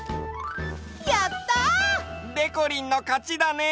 やった！でこりんのかちだね！